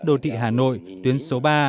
đô thị hà nội tuyến số ba